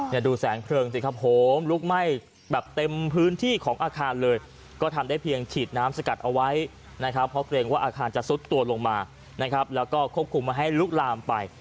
ดูแสงเพลิงสิครับโหมลุกไหม้แบบเต็มพื้นที่ของอาคารเลยก็ทำได้เพียงฉีดน้ำสกัดเอาไว้นะครับเพราะเกรงว่าอาคารจะซุดตัวลงมานะครับแล้วก็ควบคุมมาให้ลุกลามไป